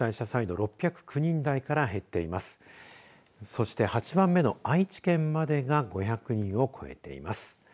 そして、８番目の愛知県までが５００人を超えています。